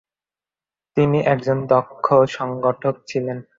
তিনি একজন দক্ষ সংগঠক ছিলেন।